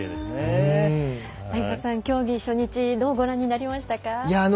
相葉さん、競技初日どうご覧になりましたか？